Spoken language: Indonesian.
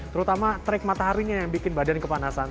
terutama trik mataharinya yang bikin badan kepanasan